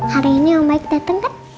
hari ini ombak dateng kan